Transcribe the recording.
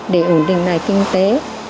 để ổn định lại kinh tế